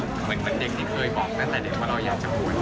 เหมือนเด็กที่เคยบอกตั้งแต่เด็กว่าเราอยากจะคุย